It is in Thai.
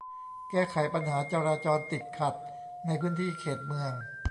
แก้ไขปัญหาจราจรติดขัดในพื้นที่เขตเมือง